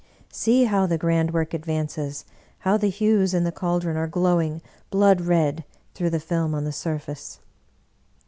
See how the Grand Work advances, how the hues in the cal dron are glowing blood red through the film on the sur face!"